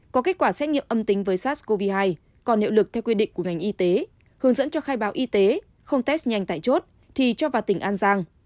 có kết quả xét nghiệm âm tính với sars cov hai còn hiệu lực theo quy định của ngành y tế hướng dẫn cho khai báo y tế không test nhanh tại chốt thì cho vào tỉnh an giang